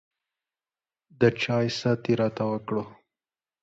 د چاے ست يې راته وکړو